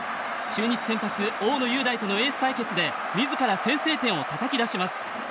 中日先発、大野雄大とのエース対決で自ら先制点をたたき出します。